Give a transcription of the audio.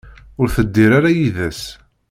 Ur teddir ara yid-s.